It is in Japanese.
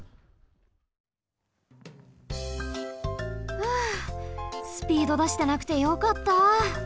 ふうスピードだしてなくてよかった。